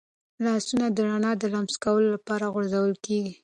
لاسونه د رڼا د لمس کولو لپاره غځول کېږي.